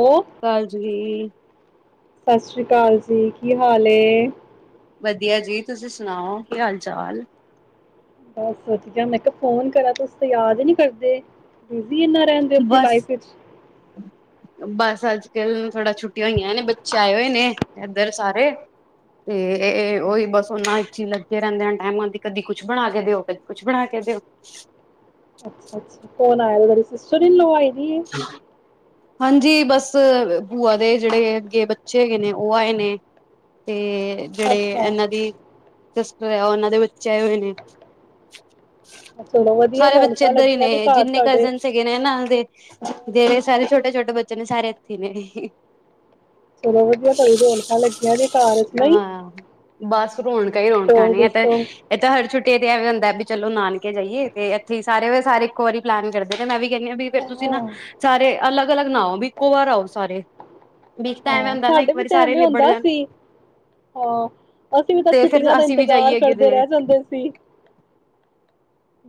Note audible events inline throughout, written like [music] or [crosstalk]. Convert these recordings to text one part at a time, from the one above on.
ਉਹ ਕਾਜੀ ਸਤਿ ਸ੍ਰੀ ਅਕਾਲ ਜੀ ਕੀ ਹਾਲ ਐ ਵਧੀਆ ਜੀ ਤੁਸੀਂ ਸੁਣਾਓ ਕੀ ਹਾਲ ਚਾਲ ਬਸ ਵਧੀਆ ਮੈਂ ਕਿਹਾ ਫੋਨ ਕਰਾਂ ਤੁਸੀ ਤੇ ਯਾਦ ਨੀ ਕਰਦੇ ਬਿਜ਼ੀ ਇਨਾ ਰਹਿੰਦੇ ਆਪਣੀ ਬਸ ਲਾਈਫ ਵਿਚ ਬਸ ਅੱਜ ਕੱਲ ਥੋੜਾ ਛੁੱਟੀਆਂ ਹੋਈਆਂ ਨੇ ਬੱਚੇ ਆਏ ਹੋਏ ਨੇ ਇੱਧਰ ਸਾਰੇ ਤੇ ਐ ਐ ਅੱਛਾ ਉਹੀ ਬਸ ਅੱਛਾ ਉਹਨਾਂ ਈ ਅਸੀਂ ਲੱਗੇ ਰਹਿੰਣੇ ਹਰ ਟਾਈਮ ਆਉਦੀ ਕਦੀ ਕੁੱਛ ਬਣਾ ਕੇ ਦਿਓ ਕਦੀ ਕੁਛ ਬਣਾ ਕੇ ਦਿਓ। ਅੱਛ, ਅੱਛਾ ਫੋਨ ਆਇਆਰੀ ਤੁਹਾਡੀ ਸਿਸਟਰ ਇਨ ਲੋ ਨਈ ਓ ਹਾਂਜੀ, ਬਸ ਬੂਆ ਦੇ ਜਿਹੜੇ ਅੱਗੇ ਬੱਚੇ ਹੈਗੇ ਨੇ ਉਹ ਆਏ ਨੇ ਤੇ ਅੱਛਾ ਜਿਹੜੇ ਅੱਛਾ ਇਹਨਾਂ ਦੀ ਸਿਸਟਰ ਹੈ ਉਹਨਾਂ ਦੇ ਬੱਚੇ ਆਏ ਹੋਏ ਨੇ। ਅੱਛਾ, ਚਲੋ ਵਧੀਆ ਸਾਰੇ ਬੱਚੇ ਰੌਣਕਾਂ ਇੱਧਰ ਹੀ ਲੱਗੀਆਂ ਨੇ, ਦੇ ਘਰ ਜਿੰਨੇ ਤੁਹਾਡੇ ਕਜਨ ਹੈਗੇ ਨੇ ਨਾਲ ਦੇ ਜਿਹੜੇ ਸਾਰੇ ਛੋਟੇ- ਛੋਟੇ ਬੱਚੇ ਨੇ ਸਾਰੇ ਇੱਥੇ ਹੀ ਨੇ ਚਲੋ ਵਧੀਆ ਤੁਹਾਡੀ ਰੌਣਕਾਂ ਲੱਗੀਆਂ ਦੇ ਘਰ ਚ ਨਹੀਂ ਹਾਂ, ਬਸ ਰੌਣਕਾਂ ਹੀ ਰੌਣਕਾਂ ਹੋਰ ਨੇ ਇਹ ਤਾਂ ਦੱਸੋ ਇਹ ਤਾਂ ਹਰ ਛੁੱਟੀਆਂ ਤੇ ਐਵੇ ਵੀ ਹੁੰਦਾ ਵੀ ਚਲੋ ਨਾਨਕੇ ਜਾਈਏ ਤੇ ਇੱਥੇ ਹੀ ਸਾਰੇ ਦੇ ਸਾਰੇ ਇੱਕੋ ਵਾਰੀ ਪਲੈਨ ਕਰਦੇ ਨੇ ਮੈਂ ਵੀ ਕਹਿੰਣੀਂ ਬਈ। ਫੇਰ ਤੁਸੀਂ ਹਾਂ ਨਾ ਸਾਰੇ ਅਲੱਗ, ਅਲੱਗ ਨਾਓ ਵੀ ਇੱਕੋ ਵਾਰ ਆਓ ਸਾਰੇ। ਵੀ ਤਾਂ ਐਵੇਂ ਹੁੰਦਾ ਨਾ ਇੱਕ ਸਾਡੇ ਵੀ ਵਾਰੀ ਤਾਂ ਸਾਰੇ ਐਵੇਂ ਨਿਬੜ ਹੁੰਦਾ ਜਾਣ ਸੀ ਹਾਂ ਅਸੀਂ ਵੀ ਤਾਂ ਤੇ ਫਿਰ ਛੁੱਟੀਆਂ ਦਾ ਅਸੀਂ ਵੀ ਇੰਤਜ਼ਾਰ ਜਾਈਏ ਅੱਗੇ ਕਰਦੇ ਦੇ ਰਹਿ ਜਾਂਦੇ ਸੀ।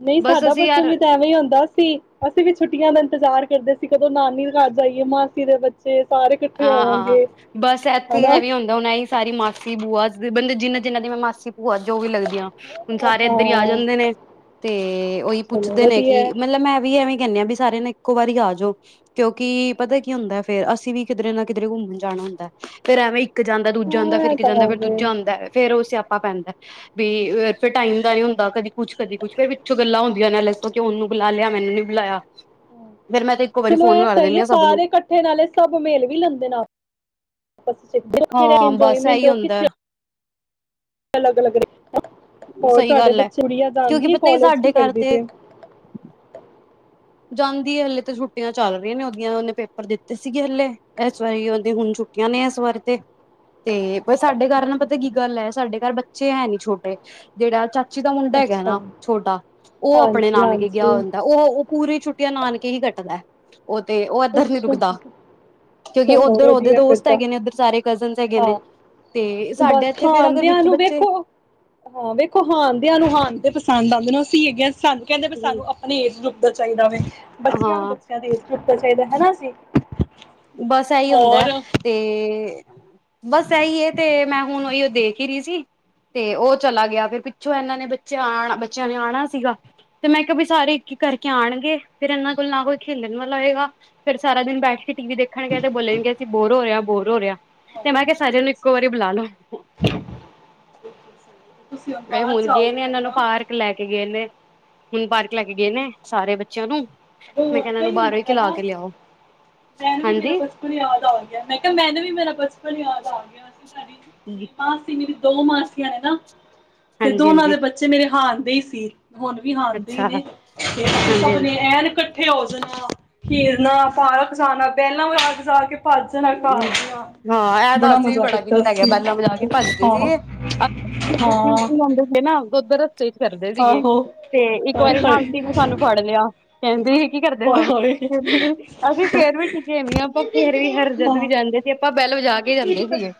ਨਹੀਂ ਬਸ ਸਾਡਾ ਅਸੀਂ ਬਚਪਨ ਯਾਰ ਵੀ ਤਾਂ ਐਵੇਂ ਹੀ ਹੁੰਦਾ ਸੀ, ਅਸੀਂ ਵੀ ਛੁੱਟੀਆਂ ਦਾ ਇੰਤਜ਼ਾਰ ਕਰਦੇ ਸੀ ਕਦੋਂ ਨਾਨੀ ਘਰ ਜਾ ਆਈਏ ਮਾਸੀ ਦੇ ਬੱਚੇ ਸਾਰੇ ਇਕੱਠੇ ਹਾਂ ਹੋਵਾਂਗੇ। ਬਸ ਇੱਥੇ ਹੀ ਹਨਾ ਹੈ ਵੀ ਹੁੰਦਾ ਹੂਣ ਏ ਹੀ ਸਾਰੀ ਮਾਸੀ, ਬੂਆ ਬੰਦੇ ਜਿੰਨਾ ਜਿਹਨਾਂ ਦੀ ਮੈਂ ਮਾਸੀ, ਭੂਆ ਜੋ ਵੀ ਲੱਗਦੀ ਆ ਹੁਣ ਸਾਰੇ ਹਾਂ ਇੱਧਰ ਹੀ ਆ ਜਾਂਦੇ ਨੇ, ਤੇ ਔਹੀ ਚਲੋ ਪੁੱਛਦੇ ਨੇ ਵਧੀਆ ਕਿ ਮਤਲਬ ਮੈਂ ਵੀ ਐਵੇਂ ਈ ਕਹਿੰਦੇ ਹਾਂ ਵੀ ਸਾਰੇ ਨੇ ਇੱਕੋ ਵਾਰੀ ਆ ਜੋ, ਕਿਉਂਕਿ ਪਤਾ ਕੀ ਹੁੰਦਾ ਫੇਰ ਅਸੀਂ ਵੀ ਕਿਧਰੇ ਨਾ ਕਿਧਰੇ ਘੁੰਮਣ ਜਾਣਾ ਹੁੰਦਾ ਫੇਰ ਐਵੇਂ ਇੱਕ ਜਾਂਦਾ ਦੂਜਾ ਆਂਦਾ ਹਾਂ ਫਿਰ ਇਹ ਇੱਕ ਤਾਂ ਜਾਂ ਹੈ ਫਿਰ ਫੇਰ ਦੂਜਾ ਆਂਦਾ ਫਿਰ ਉਹ ਸਆ [unintelligible] ਪੈਂਦਾ ਵੀ ਫਿਰ ਟਾਈਮ ਦਾ ਨੀ ਹੁੰਦਾ ਕਦੀ ਕੁਛ, ਕਦੀ ਕੁਛ ਫੇਰ ਪਿੱਛੋਂ ਗੱਲਾਂ ਹੁੰਦੀਆਂ ਨੇ ਅਲਗ ਤੋਂ ਕਿ ਉਹਨੂੰ ਬੁਲਾ ਲਿਆ ਮੈਨੂੰ ਨੀ ਬੁਲਾਇਆ। ਫੇਰ ਮੈਂ ਤੇ ਇੱਕੋ ਵਾਰੀ ਚਲੋ ਫੋਨ ਇਹ ਕਰ ਸਹੀ ਦਿੰਦੀ ਹੈ ਹਾਂ ਸਭ ਨੂੰ ਸਾਰੇ ਇਕੱਠੇ ਨਾਲੇ ਸਭ ਮਿਲ ਵੀ ਲੈਂਦੇ ਨੇ ਆਪ ਸ [unintelligible] ਹਾਂ ਬਸ ਇੰਜੋਏਮੈਂਟ ਇਹੀ ਹੁੰਦਾ ਕਿੱਥੇ ਅਲੱਗ, ਅਲੱਗ ਹੋਰ ਸਹੀ ਤੁਹਾਡੇ ਗੱਲ ਹੈ ਬੱਚੇ ਬੜੀ ਯਾਦ ਕਿਉਂਕਿ ਆਂਦੀ ਪਤਾ ਹੀ ਕੋਾਲਜ ਕੀ ਸਾਡੇ ਘਰ ਕਰਦੀ ਪੀ ਤੇ ਏ। ਜਾਂਦੀ ਹੈ ਹਲੇ ਤੇ ਛੁੱਟੀਆਂ ਚੱਲ ਰਹੀਆਂ ਨੇ ਉਦੀਆਂ ਉਹਨੇ ਪੇਪਰ ਦਿੱਤੇ ਸੀਗੇ ਹਲੇ ਏਸ ਵਾਰੀ ਉਹਦੀ ਹੁਣ ਛੁੱਟੀਆਂ ਨੇ ਇਸ ਵਾਰ ਤੇ ਤੇ ਪਰ ਸਾਡੇ ਘਰ ਨਾ ਪਤਾ ਕੀ ਗੱਲ ਹੈ ਸਾਡੇ ਘਰ ਬੱਚੇ ਹੈ ਨੀ ਛੋਟੇ ਜਿਹੜਾ ਚਾ ਚਚੀ ਦਾ ਮੁੰਡਾ ਹੈਗਾ ਅੱਛਾ ਨਾ ਛੋਟਾ ਉਹ ਆਪਣੇ ਹਾਂਜੀ ਨਾਨਕੇ ਹਾਂਜੀ ਗਿਆ ਹੁੰਦਾ ਂਹ ਛੁੱਟੀਆਂ ਨਾਨਕੇ ਹੀ ਕੱਟਦਾ। ਉਹ ਤੇ ਉਹ ਇੱਧਰ ਨੀ ਅੱਛਾ, ਰੁਕਦਾ ਕਿਉਂਕਿ ਚਲੋ ਹੋਰ ਉੱਧਰ ਉਹਦੇ ਵਧੀਆ ਫਿਰ ਦੋਸਤ ਤਾਂ ਹੈਗੇ ਨੇ ਉੱਧਰ ਸਾਰੇ ਕਜ਼ਨਸ ਹੈਗੇ ਨੇ ਹਾਂ ਤੇ ਬਸ ਸਾਡੇ ਇੱਥੇ ਫੇਰ ਅਗਰ ਹਾਂਦਿਆਂ ਵਿੱਚ ਨੂੰ ਬੱਚੇ ਵੇਖੋ ਹਾਂ ਵੇਖੋ ਹਾਂਣਦਿਆਂ ਨੂੰ ਹਾਨ ਦੇ ਪਸੰਦ ਆਉਂਦੇ ਨੇ ਸੀ ਹੈ ਗਾ। ਸਾਨੂੰ ਕਹਿੰਦੇ ਪਏ ਸਾਨੂੰ ਆਪਣੇ ਏਜ ਗੁੱਪ ਉੱਧਰ ਚਾਹੀਦਾ ਵੇ। ਬੱਚਿਆਂ ਨੂੰ ਹਾਂ ਬੱਚਿਆਂ ਦੇਖ ਲੋ ਚਾਹੀਦਾ ਹੈ ਸੀ। ਬਸ ਇਹੀ ਹੁੰਦਾ ਤੇ ਬਸ ਇਹੀ ਤੇ ਮੈਂ ਹੁਣ ਉਹੀ ਓ ਦੇਖ ਹੀ ਰਹੀ ਸੀ ਤੇ ਉਹ ਚਲਾ ਗਿਆ, ਫਿਰ ਪਿੱਛੋਂ ਇਹਨਾਂ ਨੇ ਬੱਚੇ ਆ ਬੱਚਿਆਂ ਨੇ ਆਣਾ ਸੀਗਾ ਤੇ ਮੈਂ ਕਿਹਾ ਵੀ ਸਾਰੇ ਇੱਕ-ਇੱਕ ਕਰਕੇ ਆਣਗੇ ਫੇਰ ਇਹਨਾਂ ਕੋਲ ਨਾ ਕੋਈ ਖੇਲਣ ਵਾਲਾ ਹੋਏਗਾ, ਫੇਰ ਸਾਰਾ ਦਿਨ ਬੈਠ ਕੇ ਟੀ ਵੀ ਦੇਖਣਗੇ ਤੇ ਬੋਲੇਣ ਗੇ ਕਿ ਬੋਰ ਹੋ ਰਿਹਾ ਬੋਰ ਹੋ ਰਿਹਾ। ਤੇ ਮੈਂ ਕਿਹਾ ਸਾਰੇ ਨੂੰ ਇੱਕੋ ਵਾਰੀ ਬੁਲਾ ਲੋ ਤੁਸੀਂ ਅ ਬਾਹਰ ਹੁਣ ਗਏ ਜਾਓਗੇ ਨੇ ਇਹਨਾਂ ਮੈਨੂੰ ਨੂੰ ਨਾ ਪਾਰਕ ਲੈ ਕੇ ਗਏ ਨੇ ਹੁਣ ਪਾਰਕ ਲੈ ਕੇ ਗਏ ਨੇ ਸਾਰੇ ਬੱਚਿਆਂ ਨੂੰ ਮੈਂ ਕਿਹਾ ਇਹਨਾਂ ਰੋਣਕਾਂ ਨੂੰ ਹੀ ਬਾਹਰੋਂ ਹੁੰਣਦੀਆਂ ਖਿਲਾ ਨਾ ਕੇ ਲਿਆਓ ਮੈਨੂੰ ਵੀ ਮੇਰਾ ਹਾਂਜੀ ਬਚਪਨ ਯਾਦ ਆ ਗਿਆ, ਮੈਂ ਕਿਹਾ ਮੈਨੂੰ ਵੀ ਮੇਰਾ ਬਚਪਨ ਯਾਦ ਆ ਗਿਆ। ਅਸੀਂ ਹਾਂਜੀ ਮਾਸੀ। ਦੋ ਮਾਸੀਆਂ ਨੇ ਨਾ ਤੇ ਦੋਨਾਂ ਦੇ ਹਾਂਜੀ ਬੱਚੇ ਮੇਰੇ ਹਾਨ ਦੇ ਸੀ। ਹੁਣ ਵੀ ਹਾਂਦੇ ਹੀ ਅੱਛਾ ਨੇ ਫੇਰ ਹਾਂਜੀ ਸਭ ਨੇ ਐਨ ਇਕੱਠੇ ਹੋ ਜਾਣਾ, ਖੇਰਨਾ, ਪਾਰ ਖਸਾਣਾ ਭੈਣਾਂ ਔਰ ਹੱਥ ਫਸਾ ਕੇ ਭੱਜ ਜਾਣਾ ਘਰ ਹਮ, ਦੀਆਂ ਹਾਂ ਇਹ ਤਾਂ ਅਸੀਂ ਵੀ ਬੜਾ ਕੀਤਾ ਗਿਆ ਬੈਲਾਂ ਵਜਾ ਕੇ ਭੱਜਦੇ ਆਹੋ ਸੀਗੇ ਹਾਂ ਜਾਂਦੇ ਸੀ ਨਾ [unintelligible] ਕਰਦੇ ਸੀਗੇ ਆਹੋ ਤੇ ਇੱਕ ਹਾਏ ਵਾਰੀ ਨਾ ਹਾਏ ਆਂਟੀ ਨੇ ਸਾਨੂੰ ਫੜ ਲਿਆ ਕਹਿੰਦੀ। ਕੀ ਕਰਦੇ ਹੋ ਹਾਏ ਹਾਏ ਫੇਰ ਅਸੀਂ ਫੇਰ ਵੀ ਟੀਕੇ ਨਹੀਂ ਆਪਾਂ ਫੇਰ ਵੀ ਹਰ ਜ ਹਾਂ ਜਦੋ ਵੀ ਜਾਂਦੇ ਸੀ, ਆਪਾਂ ਬੈਲ ਵਜਾ ਕੇ ਜਾਂਦੇ ਸੀਗੇ।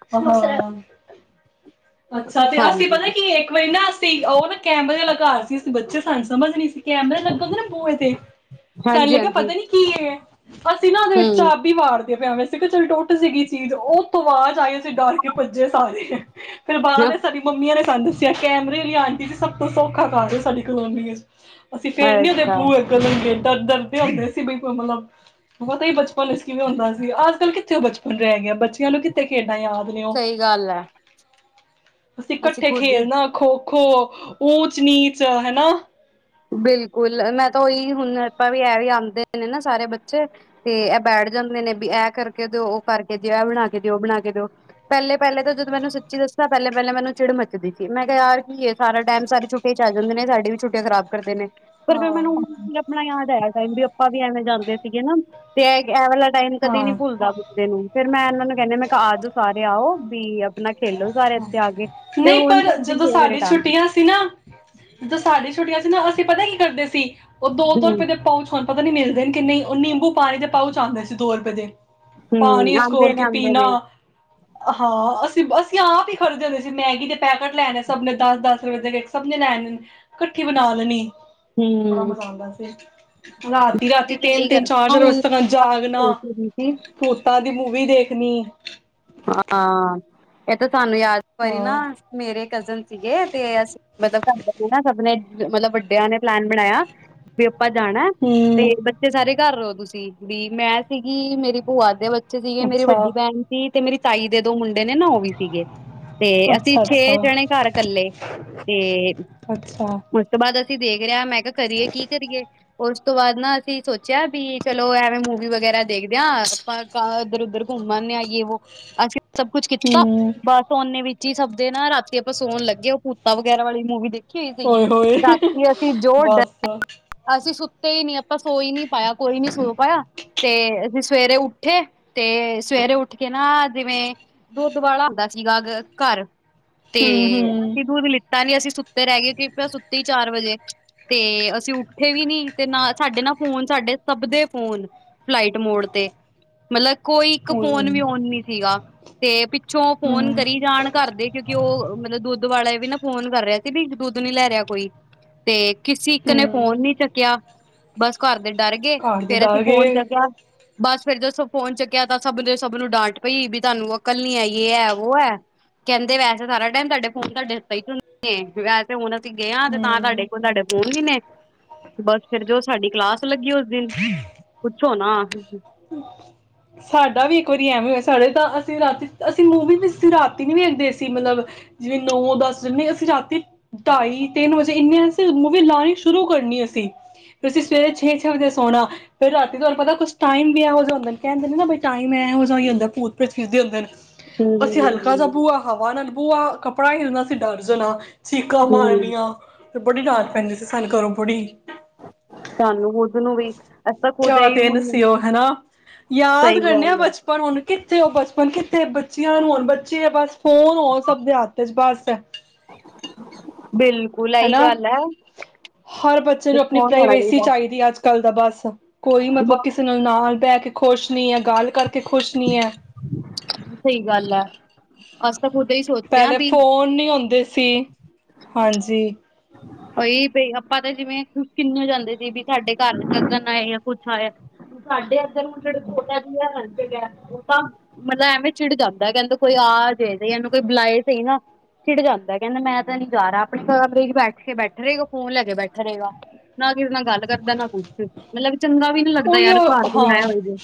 ਹਾਂ। ਅੱਛਾ ਤੇ ਅਸੀਂ ਹਾਂਜੀ ਪਤਾ ਕੀ ਇੱਕ ਵਾਰੀ ਨਾ ਅਸੀਂ ਉਹ ਨਾ ਕੈਮਰੇ ਆਲਾ ਘਰ ਸੀ ਅਸੀਂ ਬੱਚੇ ਸਾਨੂੰ ਸਮਝ ਨਹੀਂ ਸੀ। ਕੈਮਰੇ ਲੱਗੇ ਹੁੰਦੇ ਨਾ ਬੂਹੇ ਤੇ ਸਾਨੂੰ ਹਾਂਜੀ ਲੱਗਿਆ ਹਾਂਜੀ ਪਤਾ ਨੀ ਕੀ ਇਹ ਹੈ ਅਸੀਂ ਨਾ ਉਹਦੇ ਵਿੱਚ ਹਮ ਚਾਬੀ ਵਾਰ ਪਿਆਵੇਂ ਸੀਗਾ ਚੱਲ ਟੁੱਟ ਜਾਏਗੀ ਚੀਜ਼ ਉਸ ਤੋਂ ਬਾਅਦ ਤਾਈਂ ਓ ਅਸੀਂ ਡਰ ਕੇ ਭੱਜੇ ਸਾਰੇ ਬਾਹ ਨੇ ਸਾਡੀ ਮੰਮੀਆਂ ੈਂ ਸਾਨੂੰ ਦੱਸਿਆ ਕੈਮਰੇ ਲਈ ਆਂਟੀ ਸੀੀ ਸਭ ਤੋਂ ਸੌਖਾ ਕਾਰਜ ਹੋ ਸਾਡੀ ਕਲੋਮੀ ਅਸੀਂ ਫੇਰ ਨੀ ਉਹਦੇ ਅੱਛਾ ਬੂਏ ਅੱਗੋ ਲੰਗੇ। ਦਰ ਦਰਦੇ ਹੁੰਦੇ ਸੀ ਬਈ ਕੋਈ ਮਤਲਬ। ਬੋਤਾ ਹੀ ਬਚਪਨ ਇਸ ਕਿਵੇਂ ਹੁੰਦਾ ਸੀਗਾ ਅਜ ਕੱਲ ਕਿੱਥੇ ਬਚਪਨ। ਰੇਹ ਗਿਆ ਬੱਚਿਆਂ ਨੂੰ ਕਿੱਥੇ ਖੇਡ ਯਾਦ ਨੇ ਓ। ਸਹੀ ਗੱਲ ਹੈ ਅਸੀਂ ਕੱਠੇ ਖੁਦ ਹੀ ਖੇਲਣਾ ਖੋ ਖੋ ਊਚ ਨੀਚ ਹਨਨਾ। ਬਿਲਕੁਲ ਮੈਂ ਤਾਂ ਉਹੀ ਹੁਣ ਆਪਾਂ ਵੀ ਇਹ ਵੀ ਆਉਂਦੇ ਨੇ ਨਾ ਸਾਰੇ ਬੱਚੇ ਤੇ ਇਹ ਬੈਠ ਜਾਂਦੇ ਨੇ ਬੀ ਇਹ ਕਰਕੇ ਦਿਓ ਉਹ ਕਰਕੇ ਦਿਓ ਇਹ ਬਣਾ ਕੇ ਦਿਓ ਬਣਾ ਕੇ ਦਿਓ ਪਹਿਲੇ ਪਹਿਲੇ ਤਾਂ ਜਦੋਂ ਮੈਨੂੰ ਸੱਚੀ ਦੱਸਿਆ ਪਹਿਲੇ ਪਹਿਲੇ ਮੈਨੂੰ ਚਿੜ ਮੱਚਦੀ ਸੀ ਮੈਂ ਕਿਹਾ ਯਾਰ ਕੀ ਐ ਸਾਰਾ ਟਾਈਮ ਸਾਰੀ ਛੁੱਟਟੀ ਚ ਆ ਜਾਂਦੇ ਨੇ ਸਾਡੀ ਵੀ ਛੁੱਟੀਆਂ ਖਰਾਬ। ਕਰਦੇ ਨੇ। ਪਰ ਫਿਰ ਹਾਂ, ਮੈਨੂੰ ਆਪਣਾ ਯਾਦ ਟਾਈਮ ਵੀ ਆਪਾਂ ਵੀ ਐਵੇਂ ਜਾਂਦੇ ਸੀਗੇ ਨਾ ਤੇ ਐ ਵਾਲਾ ਟਾਈਮ ਕਦੇ ਨੀ ਹਾਂ। ਭੁੱਲਦਾ ਬੰਦੇ ਨੂੰ ਫੇਰ ਮੈਂ ਇਹਨਾਂ ਨੂੰ ਕਹਨਿ ਮੈਂ ਕਿਹਾ ਆਜੋ ਸਾਰੇ ਆਓ। ਵੀ ਅਪ ਨਹੀਂ ਪਰ ਸਭ ਦੀ ਜਦੋਂ ਸਾਡੀ ਫੇਵਰੇਟ ਆ ਛੁੱਟੀਆਂ ਸੀ ਨਾ ਜਦੋਂ ਸਾਡੀੀਆਂ ਛੁੱਟੀਆਂ ਸੀ ਨਾ ਅਸੀਂ ਪਤਾ ਕੀ ਕਰਦੇ ਸੀ ਉਹ ਦੋ ਦੋ ਹੂੰ ਰੁਪਏ ਦੇ ਪਹੁੰਚ ਆਉਂ ਪਤਾ ਨੀ ਮਿਲਦੇ ਕੀ ਨਹੀਂ ਉਹ ਨਿੰਬੂ ਪਾਣੀ ਦੇ ਪਾਊਚ ਆਉਂਦੇ ਸੀ ਦੋ ਰੁਪਏ ਦੇ। ਹੂੰ ਪਾਣੀ ਚ ਆਉਂਦੇ ਕੋੋਲ ਨੇ ਕੇ ਆਉਂਦੇ ਪੀਣਾ ਨੇ ਹਾਂ ਅਸ ਬਸ। ਅਸੀਂ ਆਪ ਹੀ ਖਰੀਦੇ ਹੁੰਦੇ ਸੀ ਮੈਗੀ ਦੇ ਪੈਕੇਟ ਲੈਣੇ ਸਭ ਨੇ ਦਸ ਦਸ ਰੁਪਏ ਦੇ ਸਭ ਨੇ ਲੈਣੇ ਨੇ। ਇਕੱਠੀ ਬਣਾ ਲੈਣੀ ਬੜਾ ਹੂੰ। ਮਜ਼ਾ ਆਉਂਦਾ ਸੀ ਰਾਤੀ ਰਾਤੀ ਤਿੰਨ ਇਹੀ ਤਿੰਨ ਕਰ ਚਾਰ ਚਾਰ ਹੁਣ ਵਸੇ ਤ ਜਾਗਣਾ ਸੋਚ ਰਹੀ ਸੀ। ਤੋਤਾ ਮੂਵੀ ਦੇਖਣੀ। ਹਾਂ ਇਹ ਤ ਸਾਨੂੰ ਯਾਦ ਵਾਰੀ ਨਾ ਹਾਂ ਮੇਰੇ ਕਜ਼ਨ ਸੀਗੇ। ਤੇ ਅਸੀ ਮਤਲਬ ਘਰ ਸੀ ਨਾ ਸਭਨੇ ਮਤਲਬ ਵੱਡਿਆਂ ਨੇ ਪਲੈਨ ਬਣਾਇਆ ਵੀ ਆਪਾਂ ਜਾਣਾ ਤੇ ਹੂੰ ਬੱਚੇ ਸਾਰੇ ਘਰ ਰੋ ਤੁਸੀਂ ਵੀ ਮੈਂ ਸੀਗੀ ਮੇਰੀ ਭੂਆ ਦੇ ਬੇਚ ਐ ਸੀਗੇ ਮੇਰੀ ਅੱਛਾ ਵੱਡੀ ਭੈਣ ਤੇ ਮੇਰੀ ਤਾਈ ਦੇ ਦੋ ਮੁੰਡੇ। ਨੇ ਨਾ ਉਹ ਵੀ ਸੀਗੇ ਤੇ ਅਸੀਂ ਅੱਛਾ ਛੇ ਅੱਛਾ ਜਣੇ ਘਰ ਕੱਲੇ ਤੇ ਅੱਛਾ ਉਸ ਤੋਂ ਬਾਅਦ ਅਸੀਂ ਦੇਖ ਰਿਹਾ ਮੈਂ ਕਰੀਏ ਕੀ ਕਰੀਏ। ਉਸ ਤੋਂ ਬਾਅਦ ਨਾ ਅਸੀਂ ਸੋਚਿਆ ਵੀ ਚਲੋ ਐਵੇਂ ਮੂਵੀ ਵਗੈਰਾ ਦੇਖਦੇ ਹਾਂ ਆਪਾਂ ਉੱਧਰ-ਉੱਧਰ ਘੁੰਮ ਆਦੇ ਹਾਂ। ਵੋ ਅਸੀਂ ਸਭ ਕੁੱਛ ਕੀਤਾ ਹੂੰ, ਬਸ ਔਨੇ ਵਿੱਚ ਸਭ ਦੇ ਨਾ ਰਾਤੀ ਆਪਾਂ ਸੋਣ ਲੱਗੇ ਉਹ ਭੂਤਾ ਵਗੈਰਾ ਵਾਲੀ ਮੂਵੀ ਦੇਖ ਹੋਏ-ਹੋਏ ਬਸ, ਈ ਨੀ ਆਪਾਂ ਸੋ ਹੀ ਨੀ ਪਾਇਆ ਕੋਈ ਨੀ ਸੋ ਪਾਇਆ ਤੇ ਅਸੀਂ ਸਵੇਰੇ ਉੱਠੇ ਤੇ ਸਵੇਰੇ ਉੱਠ ਉੱਠ ਕੇ ਨਾ ਜਿਵੇਂ ਦੁੱਧ ਵਾਲਾ ਹੁੰਦਾ ਸੀਗਾ ਘਰ ਤੇ ਹੂੰ-ਹੂੰ, ਅਸੀਂ ਦੁੱਧ ਲਿੱਤਾ ਨੀ ਅਸੀਂ ਸੁੱਤੇ ਰਹਿ ਗਏ ਕਿ ਪਿਆ ਸੁੱਤੀ ਚਾਰ ਵਜੇ ਤੇ ਅਸੀਂ ਉੱਠੇ ਵੀ ਨੀ ਤੇ ਨਾ ਸਾਡੇ ਨਾ ਫੋਨ ਸਾਡੇ ਸਭ ਦੇ ਫੋਨ ਫਲਾਈਟ ਮੋਡ ਤੇ ਮਤਲਬ ਕੋਈ ਇੱਕ ਓਏ ਫੋਨ ਹੋਏ ਵੀ ਫੋਨ ਨੀ ਸੀਗਾ ਤੇ ਪਿੱਛੋਂ ਫੋਨ ਹੂੰ-ਹੂੰ। ਕਰੀ ਜਾਣ ਘਰ ਦੇ ਕਿਉਂਕਿ ਉਹ ਮਤਲਬ ਦੁੱਧ ਵਾਲਾ ਵੀ ਨਾ ਫੋਨ ਕਰ ਰਿਹਾ ਸੀ ਵੀ ਦੁੱਧ ਨੀ ਲੈ ਰਿਹਾ ਕੋਈ ਤੇ ਕਿਸੀ ਇੱਕ ਨੇ ਫੋਨ ਘਰ ਨੀ ਚੱਕਿਆ ਬਸ ਘਰ ਦੇ ਡਰ ਗਏ ਦੇ ਫੇਰ ਅਸੀਂ ਡਰ ਫੋਨ ਗਏ ਚੰਗਾ ਬਸ ਫੇਰ ਜਦੋ ਫੋਨ ਚੁੱਕਿਆ ਤਾਂ ਸਭ ਸ ਮੈਨੂੰ ਡਾਂਟ ਪਈ ਵੀ ਤੁਹਾਨੂੰ ਉਹ ਕੱਲ ਨੀ ਆਈਏ ਐ ਵੋ ਹੈ। ਕਹਿੰਦੇ ਵੈਸੇ ਸਾਰਾ ਟਾਈਮ ਤੁਹਾਡੇ ਫੋਨ ਤੁਹਾਡੇ ਵੈਸੇ ਹੁਣ ਅਸੀਂ ਗਏ ਤੇ ਤਾਂ ਹੂੰ। ਤੁਹਾਡੇ ਕੋਲ ਤੁਹਾਡੇ ਬੋਲ ਹੀ ਨੇ ਬਸ ਫਿਰ ਜੋ ਸਾਡੀ ਕਲਾਸ ਲੱਗੀ ਉਸ [unintelligible] ਛੋਣਾ। ਸਾਡਾ ਵੀ ਕੁਝ ਐਵੇਂ ਹੋਏ ਸਾਡੇ ਤਾਂ ਅਸੀਂ ਰਾਤੀ ਅਸੀਂ ਮੂੰਹ ਵੀਂ ਰਾਤੀ ਨੀ ਵੇਖਦੇ ਅਸੀਂ ਮਤਲਬ ਜਿਵੇਂ ਨੌ ਦਸ ਜੇ ਅਸੀਂ ਰਾਤੀ ਢਾਈ ਤਿੰਨ ਵਜੇ ਇੰਨੇ ਮੂਵੀ ਲਾਣੀ ਸ਼ੁਰੂ ਕਰਨੀ ਅਸੀਂ ਫੇਰ ਅਸੀਂ ਸਵੇਰੇ ਛੇ-ਛੇ ਵਜੇ ਸੋਣਾ ਫਿਰ ਰਾਤੀ ਤੁਹਾਨੂੰ ਪਤਾ ਕੁਛ ਟਾਈਮ ਵੀ ਇਹੋ ਜੇ ਹੁੰਦਾ ਕਹਿੰਦੇ ਨਾ ਟਾਈਮ ਇਹੋ ਜਿਹਾ ਹੀ ਜਾਂ ਹੁੰਦਾ ਭੂਤੀ ਦੇ ਹੁੰਦੇ। ਅਸੀਂ ਹਲਕਾ ਜ ਬੂਆ ਹਵਾ ਨਾਲ ਪੂ ਆ ਕੱਪੜਾ ਹਿਲਦਾ ਸੀ ਡਰ ਜਾਣਾ ਚੀਕਾਂ ਹੂੰ ਮਾਰਨੀਆਂ ਤੇ ਬੜੀ ਡਰ ਪੈਂਦੀ ਸੀ। ਸਾਨੂੰ ਕਰੋ ਪੁੜੀ ਸਾਨੂੰ ਖੁਦ ਨੂੰ ਵੀ ਐਸ ਤਾਂ ਖੁਦ ਕਿਆ ਹੀ ਦਿਨ ਹੁਣ ਉਹ ਹਨਾ ਯਾਦ ਸਹੀ ਕਰਨੇ ਆ ਗੱਲ ਹੈ ਬਚਪਨ ਹੁਨ ਕਿੱਥੇ ਉਹ ਬਚਪਨ ਕਿੱਥੇ ਬੱਚਿਆਂ ਨੂੰ ਹੋਣ ਬੱਚੇ ਆ ਬਸ ਫੋਨ ਹੋਣ ਸਭ ਦੇ ਹੱਥ ਚ ਬਸ ਅੱਛ ਬਿਲਕੁਲ ਇਹੀ ਹਨਾ ਗੱਲ ਹੈ ਹਰ ਬੱਚੇ ਨੂੰ ਆਪਣੀ ਫੋਨ ਲੈਣਾ ਪ੍ਰਾਈਵੇਸੀ ਚਾਹੀਦਾ ਚਾਹੀਦੀ ਅੱਜ ਕੱਲ ਦਾ ਬੱਸ ਕੋਈ ਮਤਲਬ ਕਿਸੇ ਨਾਲ ਨਾ ਬਹਿ ਕੇ ਖੁਸ਼ ਨਹੀ ਹੈ, ਗੱਲ ਕਰਕ ਅਤੇ ਖੁਸ਼ ਨਹੀਂ ਹੈ ਅਸ੍ ਪਹਿਲੇ ਫੋਨ ਨ ਹਉਂਦੇ ਸੀ ਹਾਂਜੀ ਉਹੀ ਬ ਆਪਾਂ ਤਾਂ ਜਿਵੇਂ ਕੁ ਕਿੰਨ ਜਾਂਦੇ ਸੀ ਵੀ ਸਾਡੇ ਘਰ ਗਣ ਆਏ ਜਾਂ ਕੁਛ ਆਏਆ ਸਾਡੇ ਅਧਰਟ ਉਹ ਤਾਂ ਮਤਲਬ ਐਵੇਂ ਚਿੜ ਜਾਂਦਾ ਕਹਿੰਦਾ ਕੋਈ ਆ ਜਾਏਨੂੰ ਕੋਈ ਬੁਲਾਏ ਸ ਨਾ ਚਿੜ ਜਾਂਦਾ ਕਹਿੰਦਾ ਮੈਂ ਤਾਂ ਨਹੀਂ ਜਾ ਰਿਹਾ ਆਪਣੇ ਕਮਰੇ ਬੈਠ ਬੈਠ ਕੇ ਬੈਠਾ ਰਹੇਗਾ ਫੋਨ ਲੈ ਕੇ ਬੈਠਾ ਰਹੇਗਾ ਨਾ ਕਿਸੇ ਨਾਲ ਗੱਲ ਕਰਦਾ ਨਾ ਕੁਛ ਮਤਲਬ ਚੰਗਾ ਵੀ ਨੀ ਲੱਗਦਾ ਯਾਰ ਉਹੀਓ ਘਰ ਕੋਈ ਹਾਂ ਰਹਿਆ ਹੋਏਗਾ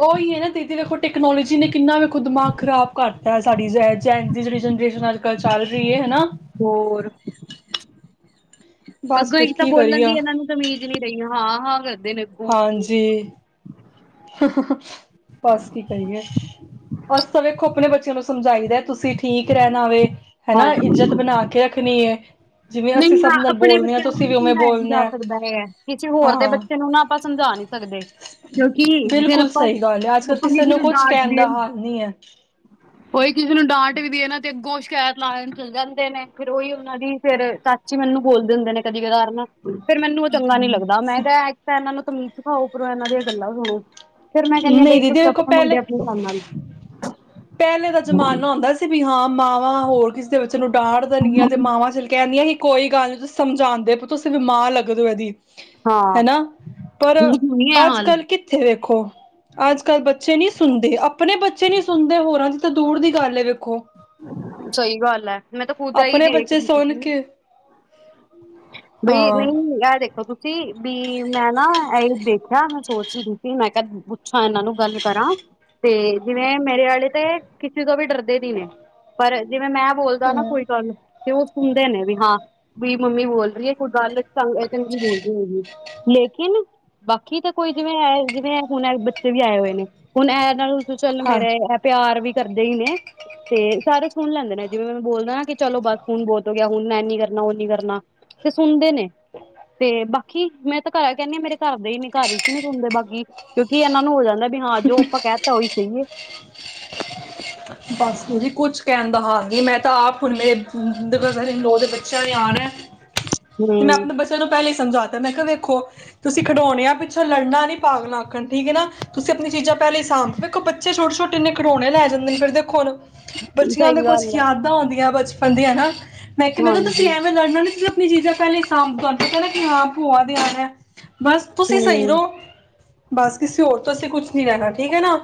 ਉਹੀ ਹੈ ਨਾ ਦੀਦੀ ਦੇਖੋ ਟੈਕਨੋਲੋਜੀ ਨੇ ਕਿੰਨਾ ਵੀ ਖੁਦ ਦਿਮਾਗ ਖ਼ਰਾਬ ਕਰਤਾ ਸਾਡੀ ਜ ਐੰਗ ਦੀ ਜਿਹੜੀ ਜਨਰੇਸ਼ਨ ਅੱਜ ਕੱਲ੍ਹ ਚੱਲ ਰਹੀ ਹੈ ਨਾ ਹੋਰ ਬਸ ਅੱਗੋਂ ਇੱਕ ਫਿਰ ਤਾਂ ਕੀ ਬੋਲਣ ਕਰੀਏ ਦੀ ਇਹਨਾਂ ਨੂੰ ਤਮੀਜ਼ ਨਹੀਂ ਰਹੀ ਹੈ ਹਾਂ ਹਾ ਹਾਂਜੀ ਹ ਹ ਬਸ ਕੀ ਕਰਹੀਏ, ਅਸ ਤਾਂ ਵਖੋ ਆਪਣੇ ਬੱਚਿਆਂ ਨੂੰ ਸਮਝਾਈਦਾ ਤੁਸੀਂ ਠੀਕ ਰਹਿਣਾ ਵੇ ਹਨਾ ਹਾਂਜੀ ਇੱਜਤ ਬਣਾ ਕੇ ਰੱਖਣੀ ਹੈ ਜਿਵੇਂ ਨਹੀਂ ਅਸੀਂ ਨਾ ਸਭ ਨਾਲ ਆਪਣੇ ਬੋਲਦੇ ਹਾਂ ਬੱਚਿਆਂ ਨੂੰ ਤੁਸੀਂ ਹਿ ਵੀ ਉਵੇਂ ਸਮਝਾਇਆ ਬੋਲਣਾ ਜਾ ਹੈ ਸਕਦਾ ਹੈ, ਕਿਸੇ ਹੋਰ ਦੇ ਹਾਂ ਬੱਚੇ ਨੂੰ ਨਾ ਆਪਾਂ ਸਮਝਾ ਨਹੀਂ ਸਕਦੇ ਫਿਰ ਬਿਲਕੁਲ ਆਪਾਂ ਸਹੀ ਗੱਲ ਹੈ, ਅੱਜ ਕੱਲ ਕਿਸੇ ਨੂੰ ਕੁਝ ਕਹਿਣ ਦਾ ਹਾਲ ਨਹੀਂ ਹੈ ਉਹੀ ਕਿਸੇ ਨੂੰ ਡਾਂਟ ਵੀ ਇਹਨਾਂ ਤੇ ਅੱਗੋਂ ਸ਼ਿਕਾਇਤ ਲਾ ਚ ਜਾਂਦੇ ਨੇ ਫੇਰ ਉਹੀ ਉਹਨਾਂ ਦੀ ਫੇਰ ਚਾਚੀ ਮੈਨੂੰ ਬੋਲਦੇ ਹੁੰਦੇ ਨੇ ਕਦੀ ਕਦਾਰ ਨਾ ਫ਼ਿਰ ਮੈਨੂੰ ਉਹ ਚੰਗਾ ਨੀ ਲੱਗਦਾ ਮੈਂ ਕਿਹਾ ਇੱਕ ਤਾਂ ਇਹਨਾਂ ਨੂੰ ਤ੍ਮੀਜ਼ ਸਿੱਖਾਂ ਆਓ ਉਪਰੋ ਇਹਨਾਂ ਦੀਆਂ ਗੱਲਾਂ ਸੁਣੋ ਫੇਰ ਮੈਂ ਕਹਿੰਨੀ ਹ ਨਹੀਂ ਬਈ ਦੀਦੀ ਤੁਸੀਂ [unintelligible] ਵੇਖੋ ਸੁਪਣੇ ਮਿਲਦੇ ਪਹਿਲੇ ਆਪਣੇ ਕੰਮ ਨਾਲ [unintelligible] ਪਹਿਲੇ ਦਾ ਜ਼ਮਾਨਾ ਹੁੰਦਾ ਸੀ ਵੀ ਹਾਂ ਮਾਵਾਂ ਹੋਰ ਕਿਸ ਕਿਸੇ ਬੱਜੇ ਨੂੰ ਡਾਦਂ ਦੇਂਨ੍ ਗਿਆ ਚ ਮਾਵਾ ਖੇਂਦਿਆਂ ਕੀ ਕੋਈ ਗੱਲ ਨਹੀਂ ਤੁਸੀਂ ਸਮਝਾਉਂਦੇ, ਤੁਸੀਂ ਵੀ ਮਾਂ ਦੇਖੀਲੱਗਦੇ ਹੋ ਇਹਦੀ ਹਾਂ ਹਨਾ ਪਰ ਨਹੀਂ ਹੈ ਅੱਜ ਹਾਲ ਕੱਲ੍ਹ ਕਿੱਥੇ ਵੇਖੋ ਅੱਜ ਕੱਲ੍ਹ ਬੱਚੇ ਨਹੀਂ ਸੁਣਦੇ ਆਪਣੇ ਬੱਚੇ ਨੀ ਹੋਰਾਂ ਦੀ ਤਾਂ ਦੂਰ ਦੀ ਗੱਲ ਏ ਵੇਖੋ ਸਹੀ ਗੱਲ ਹੈ। ਮੈਂ ਤਾਂ ਖੁਦ ਏ ਹੀ ਆਪਣੇ ਦੇਖ ਬੱਚੇ ਰਹੀ ਸੁਣ ਹੁੰ। ਕੇ ਬਈ ਹਾਂ ਨਹੀਂ ਆਹ ਦੇਖੋ ਤੁ ਵੀ ਮੈਂ ਨਾ ਇਹ ਹੀ ਦੇਖਿਆ ਮੈਂ ਸੋਚ ਹੀ ਸੀ, ਮੈਂ ਕਾ ਪੁੱਛਾਂ ਇਹਨਾਂ ਨੂੰ ਗੱਲ ਕਰਾਂ ਤੇ ਜਿਵੇਂ ਮੇਰੇ ਆਲੀ ਤੇ ਕਿਸੇ ਤੋਂ ਵੀ ਡਰ ਦੇਦੀ ਨੇ ਪਰ ਜਿਵੇਂ ਮੈਂ ਬੋਲਦਾ ਨਾ ਕੋਈ ਗੱਲ ਤੇ ਉਹ ਸੁਣਦੇ ਨੇ ਵੀ ਹਾਂ ਵੀ ਮੰਮੀ ਬੋਲ ਰਹੀਏ ਕੋਈ ਗੱਲ ਇਹ [unintelligible] ਬੋਲ ਦੀ ਨੀ ਗੀ ਲੇਕਿਨ ਬਾਕੀ ਤਾਂ ਕੋਈ ਜਿਵੇਂ ਐ ਜਿਵੇਂ ਹੁਣ ਬੱਚੇ ਵੀ ਆਏ ਹੋਏ ਨੇ, ਹੁਣ ਇਹ ਨਾ ਚੱਲ ਹਾਂ ਮੇਰੇ ਇਹ ਪਿਆਰ ਵੀ ਕਰਦੇ ਹੀ ਨੇ ਤੇ, ਸਾਰੇ ਸੁਣ ਲੈਂਦੇ ਨੇ ਜਿਵੇਂ ਮੈਨੂੰ ਬੋਲਦਾ ਨਾ, ਕਿ ਚਲੋ ਬਸ ਹੁਣ ਬਹੁਤ ਹੋ ਗਿਆ, ਹੁਣ ਨਾ ਇੰਨੀ ਕਰਨਾ ਉਹ ਨੀ ਕਰਨਾ। ਕਰਨਾ ਤੇ ਸੁਣਦੇ ਨੇ। ਤੇ ਬਾ ਕੀ ਮੈਂ ਤਾਂ ਘਰ ਕਹਿੰਦੀ ਆ ਮੇਰੇ ਘਰਦੇ ਹੀ ਨੇ ਘਰ ਚ ਹੀ ਨੀ ਸੁੁਣਦੇ ਬਾਕੀ ਕਿਉਂਕਿ ਇਹਨਾਂ ਨੂੰ ਹੋ ਜਾਂਦਾ ਵੀ ਹਾਂ ਜੋ ਆਪਾਂ ਕਹਿ ਤਾਂ, ਉਹੀ ਸਹੀਏ। ਬਸ ਜੀ ਕੁੱਛ ਕਹਿਣ ਦਾ ਹਾਲ ਨੀ ਮੈਂ ਤਾਂ ਆਪ ਹੁਣੇ ਬ੍ਰਦਰ ਇਨਲੋ ਦੇ ਬੱਚਿਆਂ ਨੇ ਆਣਾ ਤੇ ਹੂੰ ਮੈਂ ਆਪਣੇ ਬੱਚਿਆਂ ਨੂੰ ਪਹਿਲੇ ਸਮਝਾਤਾ, ਮੈਂ ਕਿਹਾ ਵੇਖੋ ਤੁਸੀਂ ਖਿਡੌਣੇ ਆ ਪਿੱਛੋਂ ਲੜਨਾ ਨੀ ਪਾਗਲਾਂ ਅੱਕਣ ਠੀਕ ਹੈ ਨਾ, ਤੁਸੀਂ ਆਪਣੀ ਚੀਜ਼ਾਂ ਪਹਿਲੇ ਸਾਂਭ, ਵੇਖੋ ਬੱਚੇ ਛੋਟੇ-ਛੋਟੇ ਨੇ ਖਿਡੋਣੇ ਲੈ ਜਾਂਦੇ ਨੇ ਫਿਰ ਦੇਖ [unintelligible] ਬੱਚਿਆਂ ਤਾਂ ਸਹੀ ਕੁਛ ਗੱਲ ਹੈ ਯਾਦਾਂ ਆਉਂਦੀਆਂ ਬੱਚ ਹਉਦੀਆਂ ਨਾ। ਮੈਂ ਕਿਹਾ ਨਾ ਤੁਸੀਂ ਹਾਂਜੀ ਐਵੇਂ ਲੜਨਾ ਨੀ ਆਪਣੀ ਚੀਜ਼ਾਂ ਪਹਿਲੇ ਸਾਂਭ ਤੁਹਾਨੂੰ ਪਤਾ ਹ ਨਾ ਹਾਂ ਕੀ ਭੂਆ ਦੇ ਆਣਾ। ਬਸ ਤੁਸੀਂ ਸਹੀ ਹੂੰ ਰਹੋ, ਬਸ ਕਿਸੇ ਹੋਰ ਤੋਂ ਅਸੀਂ ਕੁਛ ਨੀ ਲੈਣਾ ਠੀਕ ਹੈ ਨਾ।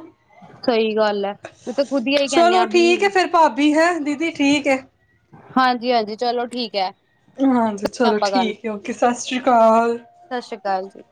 ਸਹੀ ਗੱਲ ਐ, ਮੈਂ ਤੇ ਖੁਦੀ ਹੀ ਕਹਿੰਦੇ ਚਲੋ ਆ ਵੀ ਠੀਕ ਐ ਫਿਰ ਭ ਵੀ ਹੈ ਦੀਦੀ ਠੀਕ ਹੈ। ਹਾਂਜੀ-ਹਾਂਜੀ ਚਲੋ ਠੀਕ ਐ। ਹਾਂਜੀ ਚਲੋ ਠੀਕ ਐ, ਓਕੇ ਸਤਿ ਸ਼੍ਰੀ ਅਕਾਲ। ਸਤਿ ਸ਼੍ਰੀ ਅਕਾਲ ਜੀ।